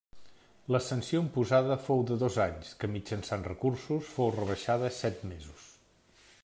La sanció imposada fou de dos anys que mitjançant recursos fou rebaixada set mesos.